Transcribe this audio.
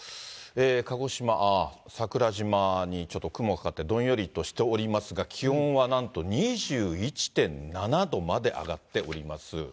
鹿児島・桜島にちょっと雲がかかって、どんよりとしておりますが、気温はなんと２１．７度まで上がっております。